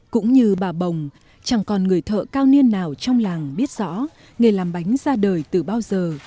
cũng như bà bồng chẳng còn người thợ cao niên nào trong làng biết rõ nghề làm bánh ra đời từ bao giờ